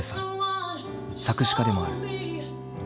作詞家でもある。